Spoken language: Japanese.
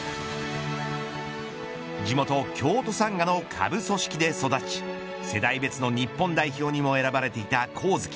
地元、京都サンガの下部組織で育ち世代別の日本代表にも選ばれていた上月。